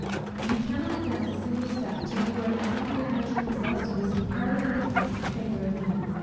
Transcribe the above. You cannot advance a single step, till you are in some good measure possessed of this comparative indifference to the favour of men.